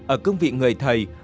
ở cương vị người thầy